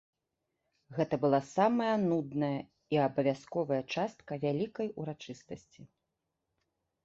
Гэта была самая нудная і абавязковая частка вялікай урачыстасці.